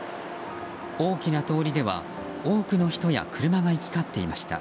大きな通りでは多くの人や車が行き交っていました。